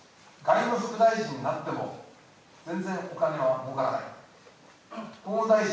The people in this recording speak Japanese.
外務副大臣になっても、全然お金はもうからない。